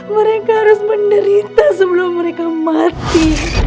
mereka harus menderita sebelum mereka mati